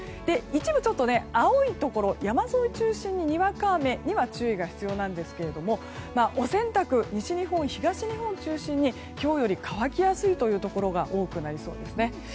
一部ちょっと青いところ山沿い中心に、にわか雨には注意が必要なんですがお洗濯は西日本、東日本中心に今日より乾きやすいというところが多くなりそうです。